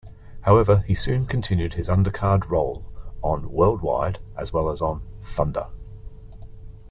However, he soon continued his undercard role on "WorldWide" as well as on "Thunder".